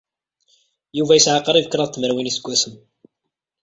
Yuba yesɛa qrib tlatin iseggasen.